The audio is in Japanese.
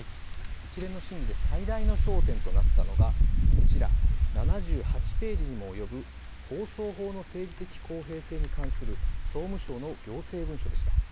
一連の審議で最大の焦点となったのが、こちら、７８ページにも及ぶ放送法の政治的公平性に関する総務省の行政文書でした。